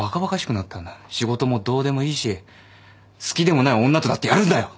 仕事もどうでもいいし好きでもない女とだってやるんだよ。